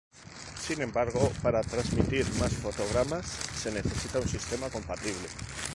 Sin embargo, para transmitir más fotogramas se necesita un sistema compatible.